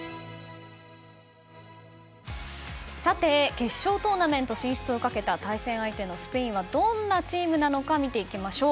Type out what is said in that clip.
決勝トーナメント進出をかけた対戦相手のスペインはどんなチームなのか見ていきましょう。